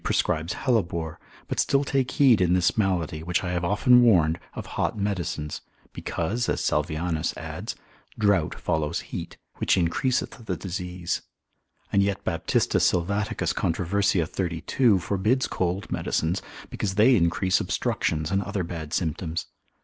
prescribes hellebore; but still take heed in this malady, which I have often warned, of hot medicines, because (as Salvianus adds) drought follows heat, which increaseth the disease: and yet Baptista Sylvaticus controv. 32. forbids cold medicines, because they increase obstructions and other bad symptoms.